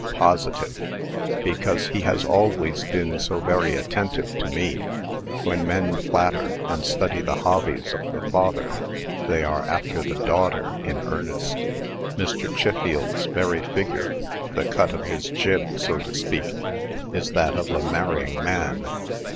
"Positive; because he has always been so very attentive to me. When men flatter, and study the hobbies of the father, they are after the daughter in earnest. Mr. Chiffield's very figure the cut of his jib, so to speak is that of a marrying man.